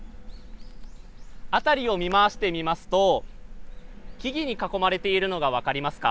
辺りを見回してみますと木々に囲まれているのが分かりますか。